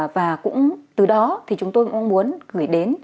và cũng từ đó thì chúng tôi mong muốn gửi đến